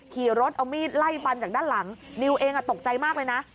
ขี่รถเอามีดไล่ฟันจากด้านหลังนิวเองตกใจมากเลยนะ